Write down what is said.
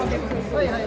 ・はいはい。